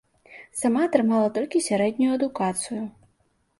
Сама атрымала толькі сярэднюю адукацыю.